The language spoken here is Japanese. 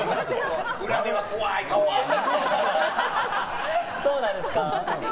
裏では怖い顔が。